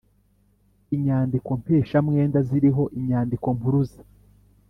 Inyandikompesha mwenda ziriho inyandikompuruza